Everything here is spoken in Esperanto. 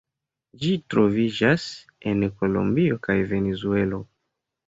Ĝi troviĝas en Kolombio kaj Venezuelo.